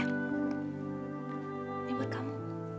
ini buat kamu